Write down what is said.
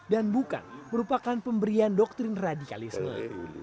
dan bukan merupakan pemberian doktrin radikalisme